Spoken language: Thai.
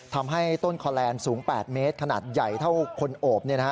ทำให้ต้นคอแลนด์สูง๘เมตรขนาดใหญ่เท่าคนโอบ